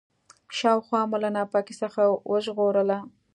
شاوخوا مو له ناپاکۍ څخه وژغورله.